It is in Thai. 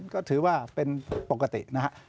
ก็ถือว่าเป็นปกตินะครับ